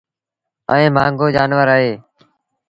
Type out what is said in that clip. ائيٚݩ مهآݩگو جآݩور اهي